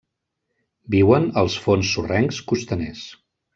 Viuen als fons sorrencs costaners.